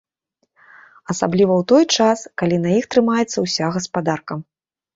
Асабліва ў той час, калі на іх трымаецца ўся гаспадарка.